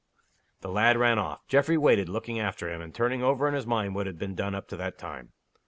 The lad ran off. Geoffrey waited, looking after him, and turning over in his mind what had been done up to that time.